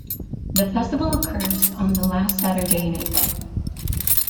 The festival occurs on the last Saturday in April.